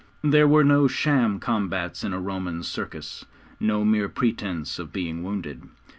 There were no sham combats in a Roman circus; no mere pretence of being wounded.